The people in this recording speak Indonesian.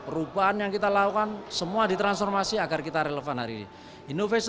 perubahan yang kita lakukan semua ditransformasi agar kita relevan hari ini